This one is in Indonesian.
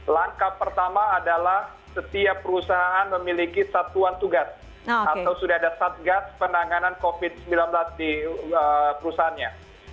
langkah pertama adalah setiap perusahaan memiliki satuan tugas atau sudah ada satgas penanganan covid sembilan belas di perusahaannya